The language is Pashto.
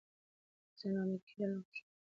زه ناامیده کېدل نه خوښوم.